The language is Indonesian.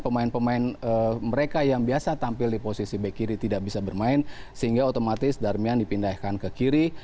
pemain pemain mereka yang biasa tampil di posisi back kiri tidak bisa bermain sehingga otomatis darmian dipindahkan ke kiri